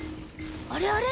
あれあれ？